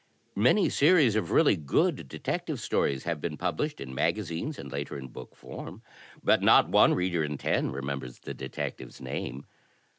Many series of really good detective stories have been published in magazines, and later in book form, but not one reader in ten remembers the detective's name.